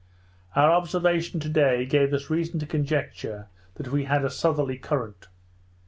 Our observation to day gave us reason to conjecture that we had a southerly current.